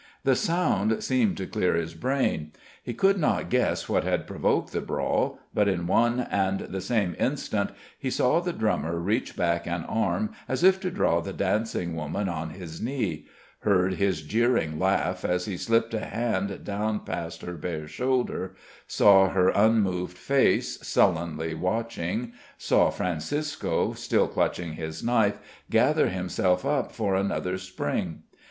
The sound seemed to clear his brain. He could not guess what had provoked the brawl; but in one and the same instant he saw the drummer reach back an arm as if to draw the dancing woman on his knee; heard his jeering laugh as he slipped a hand down past her bare shoulder; saw her unmoved face, sullenly watching; saw Francisco, still clutching his knife, gather himself up for another spring.